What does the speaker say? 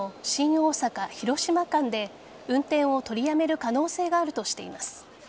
大阪広島間で運転を取りやめる可能性があるとしています。